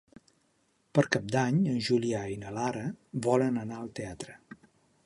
Per Cap d'Any en Julià i na Lara volen anar al teatre.